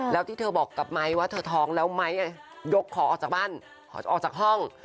แล้วที่เธอบอกกับไมค์ว่าเธอท้องแล้วไม้ยกขอออกจากบ้านออกจากห้อง